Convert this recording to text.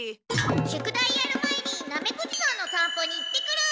宿題やる前にナメクジさんのさんぽに行ってくる。